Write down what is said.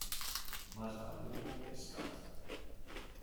Más vale humo que escarcha.